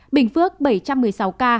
bình phước bảy trăm một mươi sáu ca